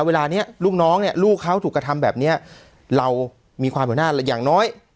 เวลานี้ลูกน้องเนี่ยลูกเขาถูกกระทำแบบนี้เรามีความหัวหน้าอย่างน้อย